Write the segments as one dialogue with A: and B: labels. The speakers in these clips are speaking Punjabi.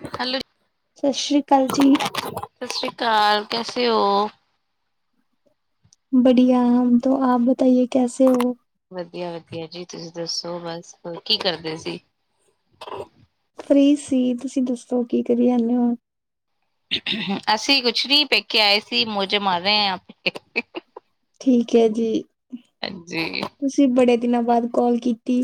A: [unintelligible]
B: ਸਤਿ ਸ੍ਰੀ ਅਕਾਲ ਜੀ।
A: ਸਤਿ ਸ੍ਰੀ ਅਕਾਲ ਕੈਸੇ ਹੋ
B: ਬੜੀਆ ਆਪ ਬਤਾਈ ਏ ਕੈਸੇ ਹੋ
A: ਵਧੀਆ ਵਧੀਆ ਜੀ ਤੁਸੀਂ ਦੱਸੋ ਬਸ ਹੋਰ ਕੀ ਕਰਦੇ ਸੀ।
B: ਫ੍ਰੀ ਸੀ ਤੁਸੀਂ ਦੱਸੋ ਕੀ ਕਰੀ ਜਾਂਦੇ ਹੋ
A: ਅਸੀਂ ਕੁਛ ਨੀ ਪੇਕੇ ਆਏ ਸੀ ਮੌਜ ਮਾਰ ਰਹੇ ਹਾਂ
B: ਠੀਕ ਹੈ ਜੀ।
A: ਹਾਂਜੀ
B: ਤੁਸੀਂ ਬੜੇ ਦਿਨਾਂ ਬਾਅਦ ਕਾਲ ਕੀਤੀ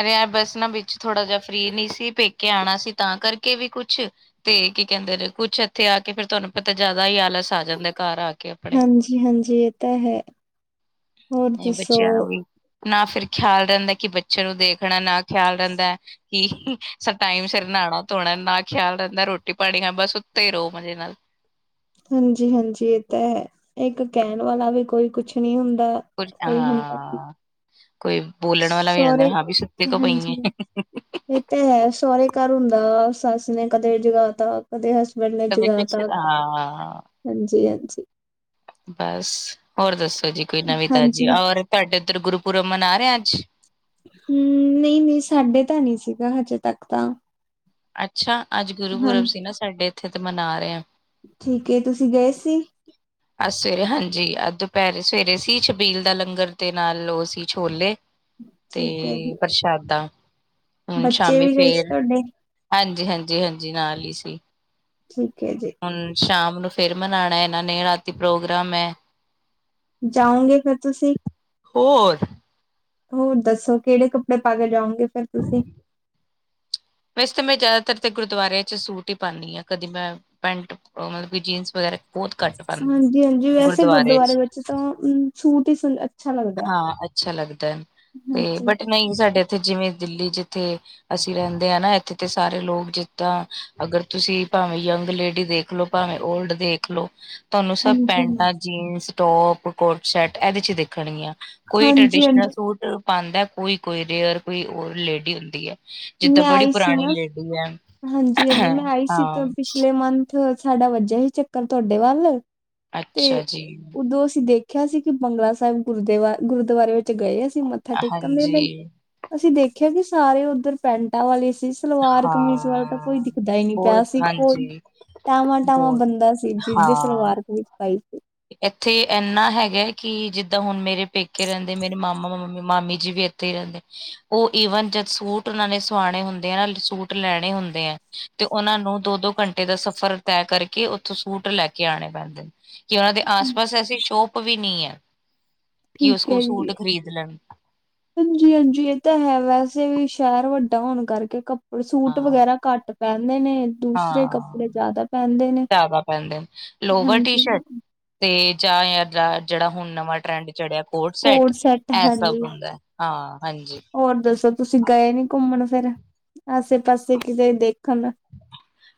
A: ਅਰੇ ਬਸ ਨਾ ਵਿੱਚ ਥੋੜਾ ਜਿਹਾ ਫਰੀ ਨਹੀਂ ਸੀ ਪੇਕੇ ਆਉਣਾ ਸੀ ਤਾਂ ਕਰਕੇ ਵੀ ਕੁਛ ਤੇ ਕੀ ਕਹਿੰਦੇ ਨੇ ਕੁੱਛ ਇੱਥੇ ਆ ਕੇ ਫਿਰ ਤੁਹਾਨੂੰ ਪਤਾ ਜ਼ਿਆਦਾ ਹੀ ਆਲਸ ਆ ਜਾਂਦਾ ਘਰ ਆ ਕੇ ਆਪਣੇ
B: ਹਾਂਜੀ ਹਾਂਜੀ ਇਹ ਤਾਂ ਹੈ ਹੋਰ ਦੱਸੋ
A: ਬੱਚਿਆਂ ਨੂੰ ਵੀ ਨਾ ਫਿਰ ਖਿਆਲ ਰਹਿੰਦਾ ਕਿ ਬੱਚੇ ਨੂੰ ਦੇਖਣਾ ਨਾ ਖਿਆਲ ਰਹਿੰਦਾ ਹੈ ਕਿ ਟਾਈਮ ਸਿਰ ਨਹਾਉਣਾ ਧੋਣਾ ਨਾ ਖਿਆਲ ਰਹਿੰਦਾ ਰੋਟੀ ਪਾਣੀ ਹ ਬਸ ਸੁਤੇ ਰਹੋ ਮਜੇ ਨਾਲ
B: ਹਾਂਜੀ ਹਾਂਜੀ ਇਹ ਤਾਂ ਹੈ ਇੱਕ ਕਹਿਣ ਵਾਲਾ ਵੀ ਕੋਈ ਕੁਛ ਨਹੀਂ ਹੁੰਦਾ ਕੋਈ ਹੁੰਦਾ ਨੀ
A: ਹਾਂ ਕੋਈ ਬੋਲਣ ਵਾਲਾ ਵੀ ਰਹਿੰਦਾ
B: ਸਹੁਰੇ
A: ਹਾਂ ਵੀ ਸੁੱਤੇ ਤੋਂ ਪਈ
B: ਹਾਂਜੀ ਇਹ ਤਾਂ ਹੈ ਸਹੁਰੇ ਘਰ ਹੁੰਦਾ ਸੱਸ ਨੇ ਕਦੇ ਜਗਾ ਤਾ ਉਹਦੇ ਹਸਬੈਂਡ ਨੇ ਜਗਾ ਤਾ ਹਾਂਜੀ ਹਾਂਜੀ
A: ਬਸ ਹੋਰ ਦੱਸੋ ਜੀ ਕੋਈ ਨਵੀਂ
B: ਹਾਂਜੀ
A: ਤਾਜ਼ੀ ਔਰ ਤੁਹਾਡੇ ਉੱਧਰ ਗੁਰੂਪੁਰਬ ਮਨਾ ਰਹੇ ਅੱਜ
B: ਹਮ ਨਹੀਂ ਨਹੀਂ ਸਾਡੇ ਤਾਂ ਨਹੀਂ ਸੀਗਾ ਹਜੇ ਤੱਕ ਤਾਂ
A: ਅੱਛਾ ਅੱਜ ਗੁਰੂ
B: ਹਾਂ
A: ਪੁਰਬ ਸੀ ਨਾ ਸਾਡੇ ਇੱਥੇ ਤੇ ਮਨਾ ਰਹੇ ਆ
B: ਠੀਕ ਤੁਸੀਂ ਗਏ ਸੀ।
A: ਅੱਜ ਸਵੇਰੇ ਹਾਂਜੀ ਅਹ ਦੁਪਹਿਰੇ ਸਵੇਰੇ ਸੀ ਛਬੀਲ ਦਾ ਲੰਗਰ ਦੇ ਨਾਲ ਉਹ ਸੀ ਛੋਲੇ ਤੇ
B: ਠੀਕ ਹੈ ਜੀ
A: ਪ੍ਰਸ਼ਾਦਾ ਹੁਣ
B: ਬੱਚੇ
A: ਸ਼ਾਮੀ
B: ਵੀ ਗਏ ਸੀ
A: ਫੇਰ
B: ਤੁਹਾਡੇ
A: ਹਾਂਜੀ ਹਾਂਜੀ ਹਾਂਜੀ ਨਾਲ ਹੀ ਸੀ।
B: ਠੀਕ ਹੈ ਜੀ।
A: ਹੁਣ ਸ਼ਾਮ ਨੂੰ ਫੇਰ ਮਨਾਉਣਾ ਇਹਨਾਂ ਨੇ ਰਾਤੀ ਪ੍ਰੋਗਰਾਮ ਹੈ।
B: ਜਾਓਗੇ ਫੇਰ ਤੁਸੀਂ
A: ਹੋਰ
B: ਹੋਰ ਦੱਸੋ ਕਿਹੜੇ ਕੱਪੜੇ ਪਾ ਕੇ ਜਾਓਗੇ ਫੇਰ ਤੁਸੀਂ
A: ਵੈਸ ਤਾਂ ਮੈਂ ਜ਼ਿਆਦਾਤਰ ਤੇ ਗੁਰਦੁਆਰਿਆਂ ਚ ਸੂਟ ਹੀ ਪਾਉਦੀ ਹਾਂ ਕਦੀ ਮੈਂ ਪੈਂਟ ਮਤਲਬ ਕਿ ਜੀਨਸ ਵਗੈਰਾ ਬਹੁਤ ਘੱਟ ਪਾਉਂਦੇ
B: ਹਾਂਜੀ ਹਾਂਜੀ ਵੈਸੇ ਗੁਰਦੁਆਰੇ ਵਿੱਚ ਤਾਂ ਅ ਸੂਟ ਹੀ
A: ਹਾਂ ਅੱਛਾ ਲੱਗਦਾ ਹੈ।
B: ਹਮ
A: ਤੇ ਬਟ ਨਹੀਂ ਸਾਡੇ ਇੱਥੇ ਜਿਵੇਂ ਦਿੱਲੀ ਜਿੱਥੇ ਅਸੀਂ ਰਹਿੰਦੇ ਨਾ ਇੱਥੇ ਤੇ ਸਾਰੇ ਲੋਕ ਜਿੱਦਾਂ ਅਗਰ ਤੁਸੀਂ ਭਾਵੇਂ ਯੰਗ ਲੇਡੀ ਦੇਖਲੋ ਭਾਵੇਂ ਓਲਡ ਦੇਖ ਦੇਖ ਲੋ ਤੁਹਾਨੂੰ ਸਭ
B: ਹਾਂਜੀ ਹਾਂਜੀ
A: ਪੈਂਟਾਂ ਜੀਨਸ ਟੋਪ ਕੋਟ ਸ਼ੈਟ ਇਹਦੇ ਚ ਦੇਖਣਗੀਆਂ ਕੋਈ
B: ਹਾਂਜੀ
A: ਟਰਡੀਸ਼ਨਲ
B: ਹਾਂਜੀ
A: ਸੂਟ ਪਾਉਂਦਾ ਕੋਈ ਕੋਈ ਰੇਅਰ ਕੋਈ ਹੋਰ ਲੇਡੀ ਹੁੰਦੀ ਹੈ। ਜਿੱਦਾਂ
B: ਮੈਂ
A: ਬੜੀ
B: ਆਈ ਸੀ
A: ਪੁਰਾਣੀ
B: ਨਾ
A: ਲੇਡੀ ਹੈ
B: ਹਾਂਜੀ ਹਾਂਜੀ ਮੈਂ ਆਈ ਸੀ
A: ਹਾਂ
B: ਤਾਂ ਪਿਛਲੇ ਮੰਥ ਥ ਸਾਡਾ ਵੱਜਿਆ ਹੀ ਚੱਕਰ ਤੁਹਾਡੇ ਵੱਲ
A: ਅੱਛਾ
B: ਤੇ
A: ਜੀ,
B: ਉਦੋਂ ਅਸੀਂ ਦੇਖ ਦੇਖਿਆ ਸੀ ਕਿ ਬੰਗਲਾ ਸਾਹਿਬ ਗੁਰਦਵ ਗੁਰਦੁਆਰੇ ਵਿੱਚ ਗਏ ਸੀ ਮੱਥਾ ਟੇਕਣ ਦੇ ਲਈ
A: ਹਾਂਜੀ,
B: ਅਸੀਂ ਦੇਖਿਆ ਕਿ ਸਾਰੇ ਉੱਧਰ ਪੈਂਟਾਂ ਵਾਲੇ ਸੀ। ਸਲਵਾਰ ਕਮੀਜ਼ ਵਾਲਾ ਤਾਂ ਕੋਈ
A: ਹਾਂ।
B: ਦਿਖਦਾ ਹੀ ਨਹੀਂ ਪਿਆ
A: ਬਹੁਤ
B: ਸੀ ਕੋਈ
A: ਹਾਂਜੀ,
B: ਟਾਵਾਂ- ਟਾਵਾਂ
A: ਬਹੁਤ
B: ਬੰਦਾ ਸੀ ਜਿਸਦੇ
A: ਹਾਂ।
B: ਸਲਵਾਰ-ਕਮੀਜ ਪਾਈ ਸੀ।
A: ਇੱਥੇ ਇੰਨਾ ਹੈਗਾ ਕਿ ਜਿੱਦਾਂ ਹੁਣ ਮੇਰੇ ਪੇਕੇ ਰਹਿੰਦੇ ਮੇਰੇ ਮਾਮਾ- -ਮਾਮ- ਮਾਮੀ ਜੀ ਵੀ ਇੱਥੇ ਹੀ ਰਹਿੰਦੇ। ਉਹ ਈਵਨ ਜਦ ਸੂਟ ਉਹਨਾਂ ਨੇ ਸੁਆਣੇ ਹੁੰਦੇ ਆ ਨਾ, ਸੂਟ ਲੈਣੇ ਹੁੰਦੇ ਆ। ਤੇ ਉਹਨਾਂ ਨੂੰ ਦੋ- ਦੋ ਘੰਟੇ ਦਾ ਸਫ਼ਰ ਤੈਅ ਕਰਕੇ ਉੱਥੋਂ ਸੂਟ ਲੈ ਕੇ ਆਉਣੇ ਪੈਂਦੇ ਨੇ। ਕਿ ਉਹਨਾਂ ਦੇ ਆਸ -ਪਾਸ ਐਸੀ ਸ਼ੋਪ ਵੀ ਨਹੀਂ ਹੈ ਕਿ ਉਸ
B: ਠੀਕ ਹੈ
A: ਕੋਲ
B: ਜੀ
A: ਸੂਟ ਖਰੀਦ ਲੈਣ।
B: ਹਾਂਜੀ -ਹਾਂਜੀ, ਇਹ ਤਾਂ ਹੈ ਵੈਸੇ ਵੀ ਸ਼ਹਿਰ ਵੱਡਾ ਹੋਣ ਕਰਕੇ ਕਪ ਸੂਟ
A: ਹਾਂ।
B: ਵਗੈਰਾ ਘੱਟ ਪਹਿਨਦੇ ਨੇ ਦੂਸਰੇ
A: ਹਾਂ,
B: ਕੱਪੜੇ ਜਿਆਦਾ ਪਹਿਨਦੇ ਨੇ,
A: ਜ਼ਿਆਦਾ ਪੈਂਦੇ ਨੇ ਲੋਵਰ ਟੀ
B: ਹਾਂਜੀ।
A: ਸ਼ਰਟ ਤੇ ਜਾਂ ਯਾਰ ਦਾ ਜਿਹੜਾ ਹੁਣ ਨਵਾਂ ਟਰੈਂਡ ਚੜਿਆ ਕੋਟ ਸੈਟ
B: ਕੋਡ
A: ਇਹ ਸਭ
B: ਹਾਂਜੀ
A: ਹੁੰਦਾ ਹਾਂ, ਹਾਂਜੀ।
B: ਹੋਰ ਦੱਸੋ ਤੁਸੀਂ ਗਏ ਨੀ ਘੁੰਮਣ ਫੇਰ? ਆਸੇ -ਪਾਸੇ ਕਿਤੇ ਦੇਖਣ?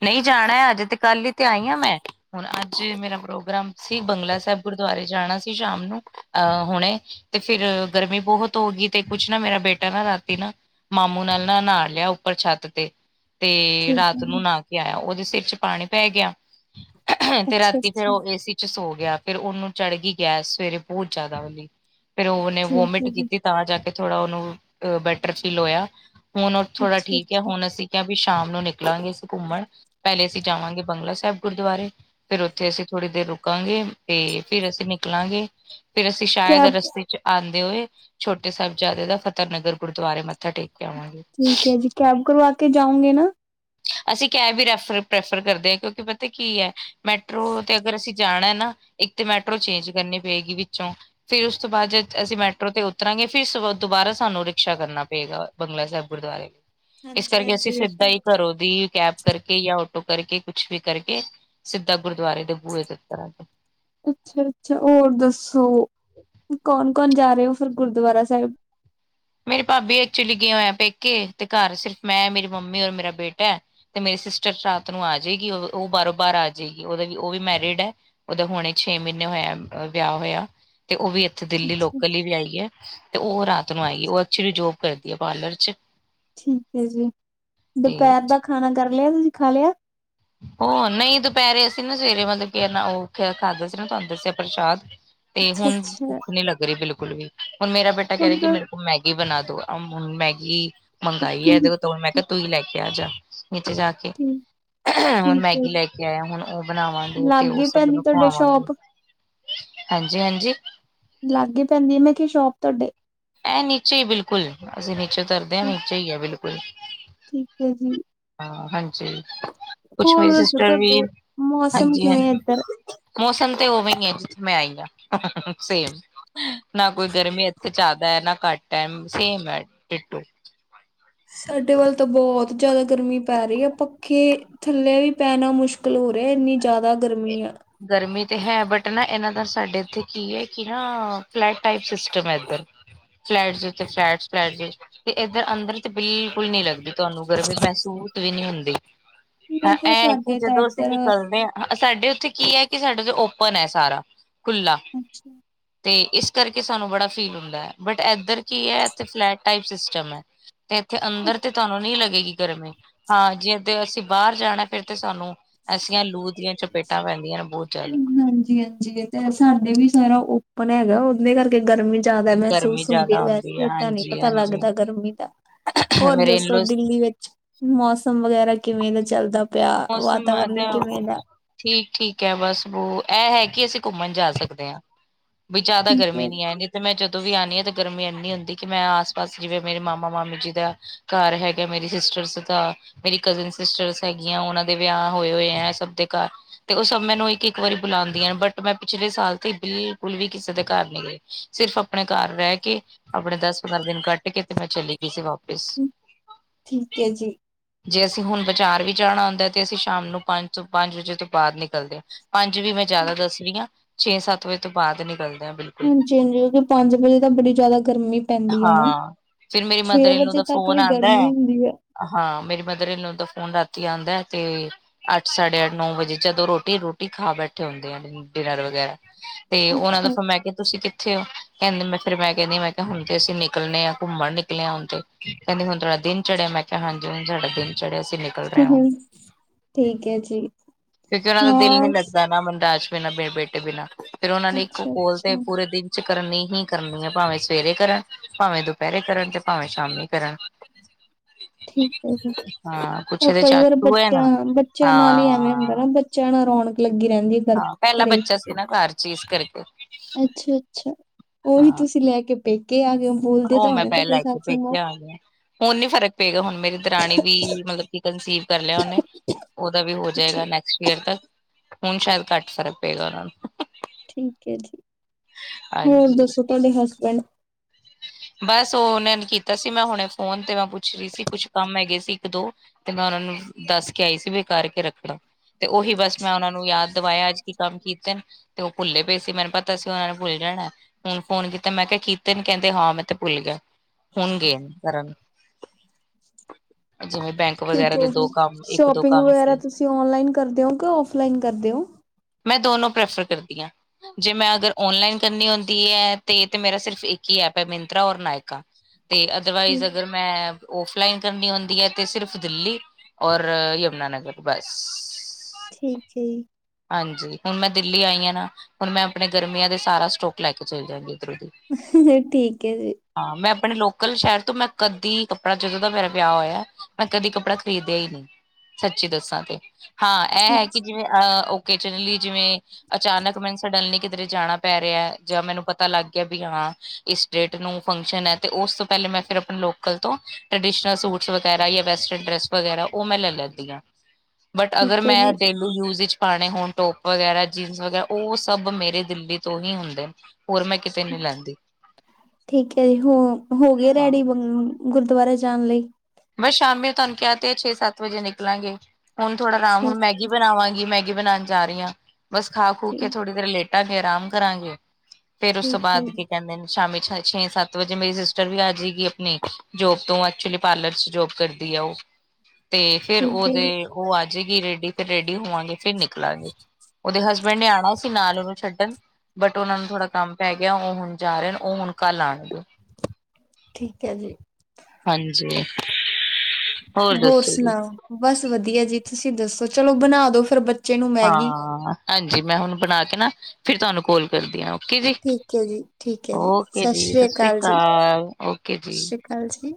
A: ਨਹੀਂ ਜਾਣਾ ਅੱਜ ਤੇ ਕੱਲ ਹੀ ਤੇ ਆਈ ਹਾਂ ਮੈਂ। ਹੁਣ ਅੱਜ ਮੇਰਾ ਪ੍ਰੋਗਰਾਮ ਸੀ ਬੰਗਲਾ ਸਾਹਿਬ ਗੁਰਦੁਆਰੇ ਜਾਣਾ ਸੀ ਸ਼ਾਮ ਨੂੰ, ਅਹ! ਹੁਣੇ ਤੇ ਫਿਰ ਗਰਮੀ ਬਹੁਤ ਹੋ ਗਈ ਤੇ ਕੁਛ ਨਾ ਮੇਰਾ ਬੇਟਾ ਨਾ ਰਾਤੀ ਨਾ ਮਾਮੂ ਨਾਲ ਨਾ ਨਹਾ ਲਿਆ ਉੱਪਰ ਛੱਤ ਤੇ। ਤੇ
B: ਠੀਕ ਹੈ
A: ਰਾਤ
B: ਜੀ
A: ਨੂੰ ਨਾਹਾ ਕੇ ਆਇਆ ਉਹਦੇ ਸਿਰ ਚ ਪਾਣੀ ਪੈ ਗਿਆ ਤੇ ਰਾਤੀ ਫੇਰ
B: ਅੱਛਾ-ਅੱਛਾ
A: ਉਹ ਏ ਸੀ -ਸੋ ਗਿਆ ਫੇਰ ਉਹਨੂੰ ਚੜ੍ਹ ਗਈ ਗੈਸ ਸਵੇਰੇ ਬਹੁਤ ਜ਼ਿਆਦਾ ਉਹਦੀ ਫੇਰ ਉਹਨੇ
B: ਠੀਕ
A: ਵੋਮਿਟ
B: ਹੈ ਜੀ
A: ਕੀਤੀ ਤਾਂ ਜਾ ਕੇ ਥੋੜਾ ਉਹਨੂੰ ਅਹ ਬੈਟਰ ਫੀਲ ਹੋਇਆ। ਹੁਣ ਉਹ ਥੋੜਾ ਠੀਕ ਆ
B: ਅੱਛਾ-ਅੱਛਾ
A: ਹੁਣ ਅਸੀਂ ਕ ਵੀ ਸ਼ਾਮ ਨੂੰ ਨਿਕਲਾਂਗੇ ਅਸੀਂ ਘੁੰਮਣ ਪਹਿਲੇ ਅਸੀਂ ਜਾਵਾਂਗੇ ਬੰਗਲਾ ਸਾਹਿਬ ਗੁਰਦੁਆਰੇ ਫਿਰ ਉੱਥੇ ਅਸੀਂ ਥੋੜ੍ਹੀ ਦੇਰ ਰੁਕਾਂਗੇ ਤੇ ਫਰ ਅਸੀਂ ਨਿਕਲਾਂਗੇ ਫਿਰ ਅਸੀਂ ਸ਼ਾਇਦ
B: ਕੈਬ
A: ਰਸਤੇ ਚ ਆਉਂਦੇ ਹੋਏ ਛੋਟੇ ਸਾਹਿਬਜ਼ਾਦੇ ਦਾ ਫਤਿਹ ਨਗਰ ਗੁਰਦੁਆਰੇ ਮੱਥਾ ਟੇਕੇ
B: ਠੀਕ ਹੈ ਜੀ, ਕੈਬ ਕਰਵਾ ਕੇ ਜਾਉਗੇ ਨਾ?
A: ਅਸੀਂ ਕੈਬ ਹੀ ਰੈਰ ਪ੍ਰੈਫਰ ਕਰਦੇ ਹਾਂ ਕਿਉਂਕਿ ਪਤਾ ਕਿ ਹੈ? ਮੈਟਰੋ ਤੇ ਅਗਰ ਅਸੀਂ ਜਾਣਾ ਨਾ। ਇੱਕ ਤੇ ਮੈਟਰੋ ਚੇਂਜ ਕਰਨੀ ਪਏਗੀ ਵਿੱਚੋਂ ਫੇਰ ਉਸ ਤੋਂ ਬਾਅਦ ਜੇ ਅਸੀਂ ਮੈਟਰੋ ਤੇ ਉਤਰਾਂਗੇ ਫੇਰ ਦੁਬਾਰਾ ਸਾਨੂੰ ਰਿਕਸ਼ਾ ਕਰਨਾ ਪਏਗਾ। ਬੰਗਲਾ ਸਾਹਿਬ ਗੁਰਦੁਆਰੇ। ਇਸ ਕਰਕੇ
B: ਹਾਂਜੀ-ਹਾਂਜੀ
A: ਅਸੀਂ
B: ਇਹ
A: ਸਿੱਧਾ
B: ਤਾਂ
A: ਹੀ ਘਰੋਂ ਦੀ ਕੈਬ ਕਰਕੇ ਜਾਂ ਆਟੋ ਕਰਕੇ ਕੁਛ ਵੀ ਕਰਕੇ, ਸਿੱਧਾ ਗੁਰਦੁਆਰੇ ਦੇ ਬੂਹੇ ਤੇ ਉੱਤਰਾਗੇ।
B: ਅੱਛਾ -ਅੱਛਾ ਹੋਰ ਦੱਸੋ? ਕੌਣ- ਕੌਣ ਜਾ ਰਹੇ ਹੋ ਫਿਰ ਗੁਰਦੁਆਰਾ ਸਾਹਿਬ?
A: ਮੇਰੀ ਭਾਬੀ ਐਕਚੁਲੀ ਗਏ ਹੋਏ ਹੈ ਪੇਕੇ। ਤੇ ਘਰ ਸਿਰਫ਼ ਮੈਂ, ਮੇਰੀ ਮੰਮੀ ਔਰ ਮੇਰਾ ਬੇਟਾ ਤੇ ਮੇਰੀ ਸਿਸਟਰ ਰਾਤ ਨੂੰ ਆ ਜਾਏਗੀ ਉਹ ਬਾਰੋਂ- ਬਾਰ ਆ ਜਾਏਗੀ ਉਹਦਾ ਉਹ ਵੀ ਮੈਰਿਡ ਹੈ। ਉਹਦੇ ਹੁਣੇ ਛੇ ਮਹੀਨੇ ਹੋਇਆ ਵਿਆਹ ਹੋਇਆ। ਤੇ ਉਹ ਵੀ ਇੱਥੇ ਦਿੱਲੀ
B: ਅੱਛਾ
A: ਲੋਕਲ ਹੀ ਵਿਆਹੀ ਹੈ ਤੇ ਉਹ ਰਾਤ ਨੂੰ ਆਏਗੀ। ਉਹ ਐਕਚਲ ਜੋਬ ਕਰਦੀ ਹੈ ਪਾਰਲਰ' ਚ।
B: ਠੀਕ ਹੈ ਜੀ।
A: ਤੇ
B: ਦੁਪਹਿਰ ਦਾ ਖਾਣਾ ਕਰ ਲਿਆ ਜੀ, ਖਾ ਲਿਆ।
A: ਉਹ ਨਹੀਂ ਦੁਪਹਿਰੇ ਅਸੀਂ ਨਾ ਸਵੇਰੇ ਮਤਲਬ ਕਿਨਾ ਉਹ ਖਾਦੇ ਸੀ ਨਾ ਤੁਹਾਨੂੰ ਦੱਸਿਆ ਪ੍ਰਸ਼ਾਦ ਤੇ ਹੁਣ
B: ਅੱਛਾ-ਅੱਛਾ
A: ਭੁੱਖ ਨੀ ਲੱਗ ਰਹੀ ਬਿਲਕੁਲ ਵੀ। ਹੁਣ ਮੇਰਾ ਬੇਟਾ ਕਹਿ ਰਹੇ
B: ਹੁਣ
A: ਕਿ
B: ਤਾਂ
A: ਮੇ ਮੈਗੀ ਬਣਾ ਦੋ, ਹੁਣ ਮੈਗੀ ਮੰਗਾਈ ਹੈ ਇਹਦੇ ਮੈਂ ਕਿਹਾ ਤੂੰ ਹੀ ਲੈ ਕੇ ਆ ਜਾ। ਨੀਚੇ ਜਾ ਕੇ
B: ਹਮਮ
A: ਹੁਣ ਮੈਗੀ ਲੈ ਕੇ ਆਇਆ, ਹੁਣ ਉਹ ਬਣਾਵਾਂਗੇ ਤੇ ਉਹ
B: ਲਾਗੇ
A: ਸਭ
B: ਪੈਂਦੀ
A: ਨੂੰ
B: ਤੁਹਾਡੇ
A: ਖਵਾਵਾਗੇ।
B: ਸ਼ੋਪ
A: ਹਾਂਜੀ- ਹਾਂਜੀ।
B: ਲਾਗੇ ਪੈਂਦੀ ਹੈ, ਮੈਂ ਕਿਹਾ ਸ਼ੋਪ ਤੁਹਾਡੇ?
A: ਇਹ ਨੀਚੇ ਹੀ ਬਿਲਕੁਲ, ਅਸੀਂ ਨੀਚੇ ਉਤਰਦੇ ਹਾਂ ਨੀਚੇ ਹੀ ਆ ਬਿਲਕੁਲ।
B: ਠੀਕ ਹੈ ਜੀ।
A: ਹਾਂ! ਹਾਂਜੀ, ਕੁਛ
B: ਹੋਰ
A: ਮੇਰੀ
B: ਦੱਸੋ
A: ਸਿਸਟਰ ਵੀ,
B: ਤੁਹਾਡੇ ਮੌਸਮ
A: ਹਾਂਜੀ
B: ਕਿਵੇਂ
A: -ਹਾਂਜੀ।
B: ਇੱਧਰ
A: ਮੌਸਮ ਤੇ ਉਵੇਂ ਹੈ ਜਿੱਥੇ ਮੈਂ ਆਈ ਹਾਂ, ਸੇਮ। ਨਾ ਕੋਈ ਗਰਮੀ ਇੱਥੇ ਜ਼ਿਆਦਾ ਹੈ ਨਾ ਘੱਟ ਹੈ, ਸੇਮ ਹੈ ਡਿਟੋ।
B: ਸਾਡੇ ਵੱਲ ਤਾਂ ਬਹੁਤ ਜ਼ਿਆਦਾ ਗਰਮੀ ਪੈ ਰਹੀ ਹੈ। ਪੱਖੇ ਥੱਲੇ ਵੀ ਪੈਣਾ ਮੁਸ਼ਕਿਲ ਹੋ ਰਿਹਾ ਇੰਨੀ ਜ਼ਿਆਦਾ ਗਰਮੀ ਹੈ।
A: ਗਰਮੀ ਤੇ ਹੈ ਬਟ ਨਾ ਇਹਨਾਂ ਦਾ ਸਾਡੇ ਇੱਥੇ ਕੀ ਹੈ ਕਿ ਨਾ, ਫਲੈਟ ਟਾਈਪ ਸਿਸਟਮ ਹੈ ਇੱਧਰ। ਫਲੈਟਸ ਦੇ ਉੱਤੇ ਫਲੈਟ ਤੇ, ਇਧਰ ਅੰਦਰ ਤੇ ਬਿਲਕੁਲ ਨਹੀਂ ਲੱਗਦੀ। ਤੁਹਾਨੂੰ ਗਰਮੀ ਮਹਿਸੂਟ ਵੀ ਨਈ ਹੁੰਦੀ, ਹਾਂ
B: ਨਹੀਂ ਫਿਰ
A: ਇਹ ਕਿ
B: ਸਾਡੇ ਤਾਂ
A: ਜਦੋਂ ਅਸੀਂ
B: ਇੱਧਰ
A: ਨਿਕਲਦੇ ਆਂ ਹਾਂ ਸਾਡੇ ਉੱਥੇ ਕੀ ਐ, ਕਿ ਸਾਡੇ ਉਥੇ ਓਪਨ ਐ ਸਾਰਾ ਖੁੱਲਾ।
B: ਅੱਛਾ।
A: ਤੇ ਇਸ ਕਰਕੇ ਸਾਨੂੰ ਬੜਾ ਫੀਲ ਹੁੰਦਾ, ਬਟ ਇੱਧਰ ਕੀ ਐ, ਇਥੇ ਫਲੈਟ ਟਾਈਪ ਸਿਸਟਮ ਐ। ਅੱਛਾ, ਤੇ ਇੱਥੇ ਅੰਦਰ ਤੇ ਤੁਹਾਨੂੰ ਨੀ ਲੱਗੇਗੀ ਗਰਮੀ। ਹਾਂ ਜੇ ਤੇ ਅਸੀਂ ਬਾਹਰ ਜਾਣਾ, ਫੇਰ ਤੇ ਸਾਨੂੰ ਐਸੀਆਂ ਲੂ ਦੀਆਂ ਚਪੇਟਾਂ ਪੈਂਦੀਆਂ ਨੇ ਬਹੁਤ ਜ਼ਿਆਦਾ
B: ਹਾਂਜੀ-ਹਾਂਜੀ। ਤੇ ਸਾਡੇ ਵੀ ਸਾਰਾ ਓਪਨ ਹੈਗਾ, ਉਹਦੇ ਕਰਕੇ ਗਰਮੀ ਜ਼ਿਆਦਾ
A: ਗਰਮੀ
B: ਮਹਿਸੂਸ ਹੁੰਦੀ
A: ਜ਼ਿਆਦਾ
B: ਐ,
A: ਆਉਂਦੀ ਹੈ
B: ਵੈਸੇ ਤਾਂ ਨਹੀਂ
A: ਹਾਂਜੀ
B: ਪਤਾ
A: ਹਾਂਜੀ
B: ਲੱਗਦਾ ਗਰਮੀ ਦਾ। ਹੋਰ
A: ਮੇਰੇ
B: ਦੱਸੋ,
A: ਇਨਲੋਜ਼
B: ਦਿੱਲੀ ਵਿੱਚ ਮੌਸਮ ਵਗੈਰਾ ਕਿਵੇਂ ਦਾ ਚੱਲਦਾ। ਪਿਆ
A: ਮੌਸਮ ਅਧ
B: ਵਾਤਾਵਰਨ ਕਿਵੇਂ ਦਾ
A: ਠੀਕ-ਠੀਕ ਐ ਬਸ ਬੋ, ਇਹ ਹੈ ਕਿ ਅਸੀਂ ਘੁੰਮਣ ਜਾ ਸਕਦੇ ਹਾਂ। ਵੀ ਜ਼ਿਆਦਾ
B: ਠੀਕ
A: ਗਰਮੀ
B: ਹੈ
A: ਨੀ ਇਹ ਦੇਖੋ ਤੇ ਮੈਂ ਜਦੋਂ ਵੀ ਆਨੀ ਆਂ ਤੇ ਗਰਮੀ ਇੰਨੀ ਹੁੰਦੀ, ਕਿ ਮੈਂ ਆਸ-ਪਾਸ ਜਿਵੇਂ ਮੇਰੇ ਮਾਮਾ ਮਾਮੀ ਜੀ ਦਾ ਘਰ ਹੈਗਾ ਮੇਰੀ ਸਿਸਟਰਸ ਦਾ, ਮੇਰੀ ਕਜ਼ਨ ਸਿਸਟਰਸ ਹੈਗ ਗੀਆਂ, ਉਹਨਾਂ ਦੇ ਵਿਆਹ ਹੋਏ-ਹੋਏ ਐ, ਸਭ ਦੇ ਘਰ ਤੇ ਉਹ ਸਭ ਮੈਨੂੰ ਇੱਕ-ਇੱਕ ਵਾਰੀ ਬੁਲਾਂਦੀਆਂ ਨੇ, ਬਟ ਮੈਂ ਪਿਛਲੇ ਸਾਲ ਤੇ ਬਿਲਕੁਲ ਵੀ ਕਿਸੇ ਦੇ ਘਰ ਨੀ ਗਈ। ਸਿਰਫ਼ ਆਪਣੇ ਘਰ ਰਹਿ ਕੇ, ਆਪਣੇ ਦਸ ਪੰਦਰਾਂ ਦਿਨ ਕੱਟ ਕੇ, ਤੇ ਮੈਂ ਚਲੀ ਗਈ ਸੀ ਵਾਪਿਸ।
B: ਠੀਕ ਏ ਜੀ।
A: ਜੇ ਅਸੀਂ ਹੁਣ ਬਜਾਰ ਵੀ ਜਾਣਾ ਹੁੰਦਾ, ਤੇ ਅਸੀਂ ਸ਼ਾਮ ਨੂੰ ਪੰਜ ਤੋਂ ਪੰਜ ਵਜੇ ਤੋਂ ਬਾਹਰ ਨਿਕਲਦੇ ਹਾਂ। ਪੰਜ ਵੀ ਮੈਂ ਜ਼ਿਆਦਾ ਦੱਸ ਰਹੀ ਆਂ, ਛੇ ਸੱਤ ਵਜੇ ਤੋਂ ਬਾਅਦ ਨਿਕਲਦੇ ਆਂ ਬਿਲਕੁਲ।
B: ਹਾਂਜੀ-ਹਾਂਜੀ, ਉਹ ਪੰਜ ਵਜੇ ਤਾਂ ਬੜੀ ਜ਼ਿਆਦਾ ਗਰਮੀ ਪੈਂਦੀ ਆ ਨਾ,
A: ਹਾਂ ਫਿਰ ਮੇਰੀ
B: ਛੇ
A: ਮਦਰ ਇਨ ਲੋ
B: ਵਜੇ
A: ਦਾ
B: ਤੱਕ
A: ਫੋਨ
B: ਵੀ
A: ਆਂਦਾ ਹੈ।
B: ਗਰਮੀ ਹੁੰਦੀ ਐ।
A: ਹਾਂ, ਮੇਰੀ ਮਦਰ ਇਨ ਲੌਅ ਦਾ ਫੋਨ ਰਾਤੀ ਆਂਦਾ ਤੇ ਅੱਠ ਸਾਢੇ ਅੱਠ ਨੌ ਵਜੇ ਜਦੋਂ ਰੋਟੀ-ਰੁਟੀ ਖਾ ਬੈਠੇ ਹੁੰਦੇ ਆ, ਡਿਨਰ ਵਗੈਰਾ। ਤੇ ਉਹਨਾਂ ਦਾ ਫਿਰ ਮੈਂ ਕਿਹਾ ਤੁਸੀਂ ਕਿੱਥੇ ਹੋ, ਕਹਿੰਦੇ ਮ ਫਿਰ ਮੈਂ ਕਹਿੰਨੀ ਮੈਂ ਹੁਣ ਤੇ ਅਸੀਂ ਨਿਕਲਣੇ ਆਂ ਘੁੰਮਣ ਨਿਕਲੇ ਆਂ, ਹੁਣ ਤੇ ਕਹਿੰਦੀ ਹੁਣ ਤੁਹਾਡਾ ਦਿਨ ਚੜਿਆ, ਮੈਂ ਕਿਹਾ ਹਾਂਜੀ ਹੁਣ ਸਾਡਾ ਦਿਨ ਚੜਿਆ ਅਸੀਂ ਨੇ
B: [inaudible] ਠੀਕ ਹੈ ਜੀ
A: ਕਿਉਂਕਿ ਉਹਨਾ ਦਾ ਦਿਲ ਨੀ
B: ਹਾਂ
A: ਲੱਗਦਾ ਨਾ, [inaudible] ਤੇ ਬਿਨਾਂ ਫੇਰ ਉਹਨਾਂ ਨੇ ਇੱਕ
B: ਅੱਛਾ
A: ਕੋਲ ਤੇ
B: ਅੱਛਾ
A: ਪੂਰੇ ਦਿਨ ਚ ਕਰਨੀ ਹੀ ਕਰਨੀ ਆ, ਭਾਵੇਂ ਸਵੇਰੇ ਕਰਨ, ਭਾਵੇਂ ਦੁਪਹਿਰੇ ਕਰਨ, ਤੇ ਭਾਵੇਂ ਸ਼ਾਮੀ ਕਰਨ।
B: ਠੀਕ ਐ ਜੀ,
A: ਹਾਂ ਕੁਛ
B: ਫੇਰ
A: ਇਹਦੇ
B: ਕਈ ਵਾਰ
A: ਚਾਚੂ ਹੈ
B: ਬੱਚਾ
A: ਨਾ
B: ਬੱਚਿਆਂ ਨਾਲ ਹੀ ਐਵੇਂ
A: ਹਾਂ
B: ਹੁੰਦਾ ਨਾ ਫੇਰ ਬੱਚਿਆਂ ਨਾਲ ਰੌਣਕ ਲੱਗੀ ਰਹਿੰਦੀ ਐ।
A: ਹਾਂ, ਪਹਿਲਾ ਬੱਚਾ ਸੀ ਨਾ ਘਰ ਚ ਇਸ ਕਰਕੇ।
B: ਅੱਛਾ-ਅੱਛਾ, ਉਹੀ
A: ਹਾਂ
B: ਤੁਸੀਂ ਲੈ ਕੇ ਪੇਕੇ ਆ ਗਏ ਹੋ। ਬੋਲਦੇ
A: ਉਹ
B: ਤਾਂ
A: ਮੈਂ
B: ਹੋਣੇ
A: ਪੈ
B: ਤੁਹਾਡੇ
A: ਲੈ ਕੇ
B: ਸੱਸ ਮਾਂ
A: ਪੇਕੇ ਆ ਗਿਆ ਹੁਣ ਨੀ ਫਰਕ ਪਏਗਾ, ਹੁਣ ਮੇਰੀ ਦਰਾਣੀ ਵੀ ਮਤਲਬ ਕਨਸੀਵ ਕਰ ਲਿਆ ਉਹਨੇ, ਉਹਦਾ ਵੀ ਹੋ
B: ਅੱਛਾ
A: ਜਾਏਗਾ ਨੈਕਸਟ ਈਅਰ ਤੱਕ। ਹੁਣ ਸ਼ਾਇਦ ਘੱਟ ਫਰਕ ਪਏਗਾ ਉਹਨਾਂ ਨੂੰ।
B: ਠੀਕ ਐ ਜੀ, ਹੋਰ
A: ਹਾਂਜੀ
B: ਦੱਸੋ ਤੁਹਾਡੇ ਹਸਬੈਂਡ
A: ਬਸ ਉਹ ਉਹਨਾਂ ਨੇ ਕੀਤਾ ਸੀ, ਮੈਂ ਹੁਣੇ ਫੋਨ ਤੇ ਮੈਂ ਪੁੱਛ ਰਹੀ ਸੀ ਕੁਛ ਕੰਮ ਹੈਗੇ ਸੀ ਇੱਕ ਦੋ। ਤੇ ਮੈਂ ਉਹਨਾਂ ਨੂੰ ਦੱਸ ਕੇ ਆਈ ਸੀ ਵੀ ਕਰਕੇ ਰੱਖਣਾ। ਤੇ ਉਹੀ ਬਸ ਮੈਂ ਉਹਨਾਂ ਨੂੰ ਯਾਦ ਦਵਾਇਆ, ਅੱਜ ਕੀ ਕੰਮ ਕੀਤੇ ਨੇ। ਤੇ ਉਹ ਭੁੱਲੇ ਪਏ ਸੀ, ਮੈਨੂੰ ਪਤਾ ਸੀ ਉਹਨਾਂ ਨੂੰ ਭੁੱਲ ਜਾਣਾ, ਹੁਣ ਫੋਨ ਕੀਤਾ ਮੈਂ ਕਿਹਾ ਕੀਤੇ ਨੇ, ਕਹਿੰਦੇ ਹਾਂ ਮੈਂ ਤੇ ਭੁੱਲ ਗਿਆ, ਹੁਣ ਗਿਆ ਕਰਨ। ਜਿਵੇਂ ਬੈਂਕ
B: ਠੀਕ
A: ਵਗੈਰਾ
B: ਐ
A: ਦੇ
B: ਜੀ,
A: ਦੋ ਕੰਮ ਇੱਕ ਦੋ
B: ਸ਼ੋਪਿੰਗ
A: ਕੰਮ ਸੀ
B: ਵਗੈਰਾ ਤੁਸੀਂ ਓਨਲਾਈਨ ਕਰਦੇ ਹੋ ਕਿ ਔਫਲਾਈਨ ਕਰਦੇ ਹੋ।
A: ਮੈਂ ਦੋਨੋ ਪ੍ਰੈਫਰ ਕਰਦੀ ਆਂ। ਜੇ ਮੈਂ ਅਗਰ ਓਨਲਾਈਨ ਕਰਨੀ ਹੁੰਦੀ ਐ, ਤੇ ਮੇਰਾ ਸਿਰਫ ਇੱਕ ਹੀ ਐਪ ਐ ਮ ਮੰਤਰਾ ਔਰ ਨਾਇਕਾ, ਤੇ ਅਦਰਵਾਈਜ਼
B: ਠੀਕ
A: ਅਗਰ ਮੈਂ ਔਫਲਾਈਨ ਕਰਨੀ ਹੁੰਦੀ ਐਤੇ ਸਿਰਫ ਦਿੱਲੀ ਔਰ ਯਮੁੰਨਾਨਗਰ ਬਸ।
B: ਠੀਕ ਐ ਜੀ।
A: ਹਾਂਜੀ, ਹੁਣ ਮੈਂ ਦਿੱਲੀ ਆਈ ਆਂ ਨਾ ਹੁਣ ਮੈਂ ਆਪਣੇ ਗਰਮੀਆਂ ਦੇ ਸਾਰਾ ਸਟੋਕ ਲੈ ਕੇ ਚੱਲ ਜਾਂਗੀ ਇੱਧਰੋਂ ਦੀ।
B: ਠੀਕ ਐ ਜੀ।
A: ਹਾਂ, ਮੈਂ ਆਪਣੇ ਲੋਕਲ ਸ਼ਹਿਰ ਤੋਂ ਮੈਂ ਕਦੀ ਕੱਪੜਾ ਜਦੋਂ ਦਾ ਮੇਰਾ ਵਿਆਹ ਹੋਇਆ। ਮੈਂ ਕਦੇ ਕੱਪੜਾ ਖ਼ਰੀਦਿਆ ਈ ਨੀ ਸੱਚੀ ਦੱਸਾਂ ਤੇ ਹਾਂ ਐ ਹੈ
B: ਅੱਛਾ
A: ਕਿ ਜਿਵੇਂ ਅ ਕੇ ਜਨਰਲੀ ਜਿਵੇਂ ਅਚਾਨਕ ਮੈਨੂੰ ਸਡਨਲੀ ਕਿਧਰੇ ਜਾਣਾ ਪੈ ਰਿਆ ਜਾਂ ਮੈਨੂੰ ਪਤਾ ਲੱਗ ਗਿਆ ਵੀ ਹਾਂ ਇਸ ਡੇਟ ਨੂੰ ਫੰਕਸ਼ਨ ਐਤੇ ਓਸ ਤੋਂ ਪਹਿਲੇ ਮੈਂ ਫਿਰ ਆਪਣੇ ਲੋਕਲ ਤੋਂ ਟ੍ਰਡੀਸ਼ਨਲ ਸੂਟਸ ਵਗੈਰਾ ਵੈਸਟਰਨ ਡਰੈਸ ਵਗੈਰਾ ਓ ਮੈਂ ਲੈ ਲੈਂਦੀ ਆਂ
B: [unintelligible]
A: ਬਟ ਅਗਰ
B: ਹੈ ਜੀ
A: ਮੈਂ ਡੇਲੀ ਯੂਜ ਵਿੱਚ ਪਾਣੇ ਹੋਣ ਟੋਪ ਵਗੈਰਾ ਜੀਨਸ ਵਗੈਰਾ ਓ ਸਭ ਮੇਰੇ ਦਿੱਲੀ ਤੋਂ ਹੀ ਆਉਦੇ ਨੇ ਹੋਰ ਮੈਂ ਕਿਤੇ ਨੀ ਲੈਂਦੀ
B: ਠੀਕ ਐ ਜੀਹੋ ਗਏ। ਰੈਡੀ ਗੁਰਦੁਆਰੇ ਜਾਣ ਲਈ
A: ਬਸ ਸ਼ਾਮੀ ਤੁਆਨੂੰ ਕਿਆ ਤੇ ਹੈ ਛੇ ਸੱਤ ਵਜੇ ਨਿਕਲਾਂਗੇ। ਹੁਣ ਥੋੜਾ ਆਰਾਮ
B: ਅੱਛਾ
A: ਹੁਣ ਮੈਗੀ ਬਣਾਵਾਂਗੀ ਮੈਗੀ ਬਣਾਣ ਜਾ ਰਹੀ ਆਂ। ਬਸ ਖਾ ਖੂ ਕੇ
B: ਜੀ
A: ਥੋੜ੍ਹੀ ਦੇਰ ਲੇਟ ਕੇ ਆਰਾਮ ਕਰਾਂਗੇ। ਫੇਰ ਉਸ ਤੋਂ
B: ਠੀਕ ਹੈ
A: ਬਾਅਦ
B: ਜੀ
A: ਕੀ ਕਹਿੰਦੇ ਨੇ ਸ਼ਾਮੀ ਛੇ ਸੱਤ ਸੱਤ ਵਜੇ ਮੇਰੀ ਸਿਸਟਰ ਵੀ ਆ ਜੇਗੀ। ਆਪਣੀ ਜੋਬ ਤੋਂ ਐਕਚੁਲੀ ਪਾਰਲਰ ਚ ਜੋਬ ਕਰਦੀ ਆ। ਓ ਤੇ ਫੇਿਰ
B: ਠੀਕ ਹੈ
A: ਉਹਦੇ
B: ਜੀ
A: ਓ ਆ ਜੇਗੀ ਰੈਡੀ, ਫਿਰ ਰੈਡੀ ਹੋਵਾਂਗੇ ਫਿਰ ਨਿਕਲਾਂਗੇ ਉਹਦੇ ਹਸਬੈਂਡ ਓਨ੍ਹਾ ਨੇ ਆਂਣਾ ਸੀ ਨਾਲ ਉਹਨੂੰ ਛੱਡਣ ਬਟ ਉਹਨਾਂ ਨੂੰ ਥੋੜਾ ਕੰਮ ਪੈ ਗਿਆ। ਉਹ ਹੁਣ ਜਾ ਰਹੇ ਨੇ ਉਹ ਹੁਣ ਕੱਲ ਆਣਗੇ।
B: ਠੀਕ ਐ ਜੀ।
A: ਹਾਂਜੀ।
B: ਹੋਰ
A: ਦੱਸੋ ਜੀ।
B: ਸੁਣਾਓ? ਬਸ ਵਧੀਆ ਜੀ ਤੁਸੀਂ ਦੱਸੋ? ਚਲੋ ਬਣਾ ਦੋ ਫਿਰ ਬੱਚੇ ਨੂੰ ਮੈਗੀ
A: ਹਾਂ, ਹਾਂਜੀ ਮੈਂ ਹੁਣ ਬਣਾ ਕੇ ਨਾ ਫਿਰ ਤੁਹਾਨੂੰ ਕੋਲ ਕਰਦੀ ਆ। ਓਕੇ ਜੀ
B: ਠੀਕ ਹੈ ਜੀ ਠੀਕ ਹੈ ਜੀ
A: ਓਕੇ
B: ਸਤਿ
A: ਜੀ
B: ਸ੍ਰੀ
A: ਸਸ ਸ਼੍ਰੀ ਅਕਾਲ ਓਕੇ ਜੀ।
B: ਕਾਲ ਜੀ।